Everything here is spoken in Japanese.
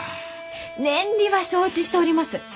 年利は承知しております！